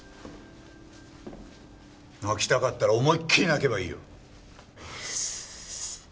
泣きたかったら思いっきり泣けばいいよ。